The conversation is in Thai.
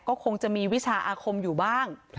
ก็คงจะมีวิชาอาคมอยู่บ้าง